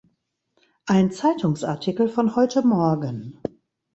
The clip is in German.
Ein Zeitungsartikel von heute Morgen.